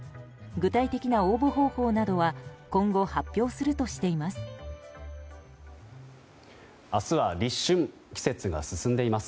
具体的な応募方法などは今後発表するとしています。